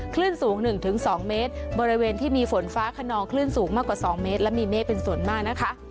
คลื่นสูง๑๒เมตรบริเวณที่มีฝนฟ้าขนองคลื่นสูงมากกว่า๒เมตรและมีเมฆเป็นส่วนมากนะคะ